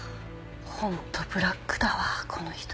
本当ブラックだわこの人。